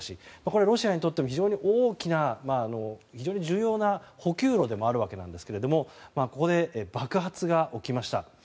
これはロシアにとっては非常に重要な補給路でもあるわけなんですけどここで爆発が起きました。